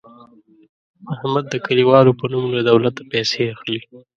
احمد د کلیوالو په نوم له دولته پیسې اخلي.